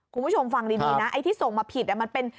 คุณผู้ชมฟังดีนะไอ้ที่ส่งมาผิดมันเป็น